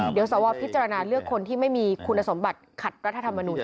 เดี๋ยวสวพิจารณาเลือกคนที่ไม่มีคุณสมบัติขัดรัฐธรรมนูญ